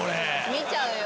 見ちゃうよ。